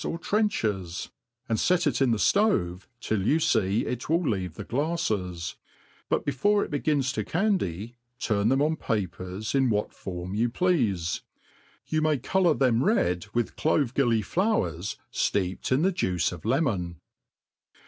or trenchers, and fet it in the dove till you fee it will leave th^ glafles i but before it begins to candy, turn them oo papery in what fdrm you pleafe. You may colour them, red witi clovc gilly flowers ftccped in the juice of lemon.